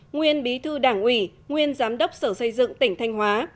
nguyên bí thư đảng ủy nguyên giám đốc sở xây dựng tỉnh thanh hóa